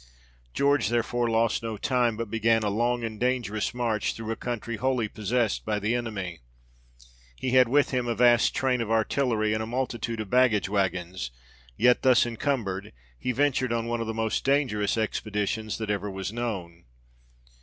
George, therefore, lost no time, but began a long and dangerous march, through a country wholely possessed by the enemy. He had with him a vast train of artillery, and a multitude of baggage waggons, yet, thus incumbered, he ventured on one of the most dangerous expeditions that ever was known.